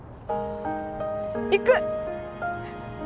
行く！